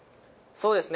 そうですね。